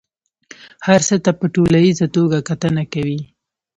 هر څه ته په ټوليزه توګه کتنه کوي.